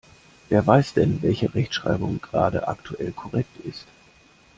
Wer weiß denn, welche Rechtschreibung gerade aktuell korrekt ist?